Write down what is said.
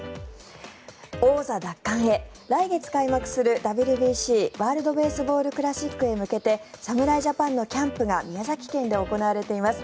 王座奪還へ来月開幕するＷＢＣ＝ワールド・ベースボール・クラシックへ向けて侍ジャパンのキャンプが宮崎県で行われています。